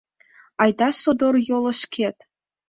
Айда содор йолышкет...